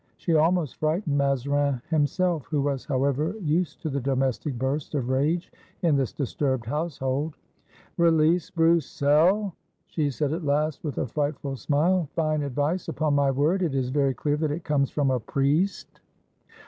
She almost frightened Mazarin himself, who was, however, used to the domestic bursts of rage in this disturbed household. "Release Broussel!" she said at last, with a frightful smile; "fine advice, upon my word! It is very clear that it comes from a priest."